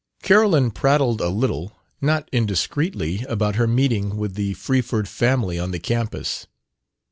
Carolyn prattled a little, not indiscreetly, about her meeting with the Freeford family on the campus.